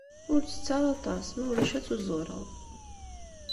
Ur ttett aṭas ma ulac ad tuzureḍ.